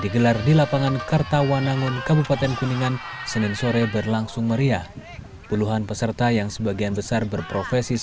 sejumlah peristiwa mewarnai jalannya adu kentangkasan ini